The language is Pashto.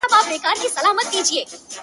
o زما کور ته چي راسي زه پر کور يمه.